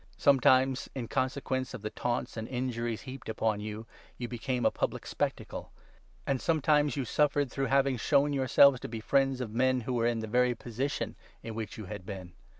Sometimes, in consequence of the taunts 33 and injuries heaped upon you, you became a public spectacle ; and sometimes you suffered through having shown yourselves to be the friends of men who were in the very position in which you had been.